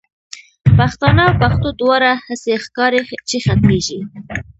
پښتانه او پښتو دواړه، هسی ښکاری چی ختمیږی